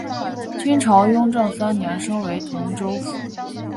清朝雍正三年升为同州府。